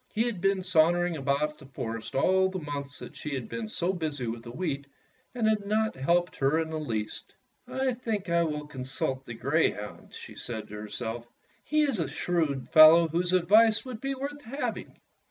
He had been sauntering about the forest all the months that she had been so busy with the wheat and had not helped her in the least. "I think I will con sult the greyhound," she said to herself. "He is a shrewd fellow whose advice would be worth having."